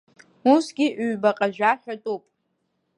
Усгьы ҩбаҟа-жәа ҳәатәуп.